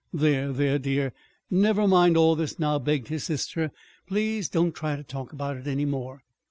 "There, there, dear, never mind all this now," begged his sister. "Please don't try to talk about it any more."